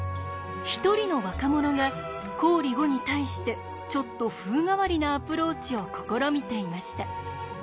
一人の若者が公理５に対してちょっと風変わりなアプローチを試みていました。